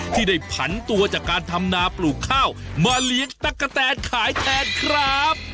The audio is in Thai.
ที่ได้ผันตัวจากการทำนาปลูกข้าวมาเลี้ยงตั๊กกะแตนขายแทนครับ